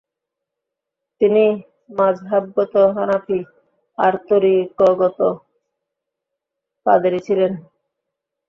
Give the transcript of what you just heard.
তিনি মাযহাবগত হানাফি আর তরিকতগত কাদেরী ছিলেন।